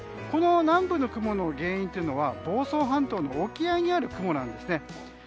この南部の雲の原因は房総半島の沖合にある雲なんですね。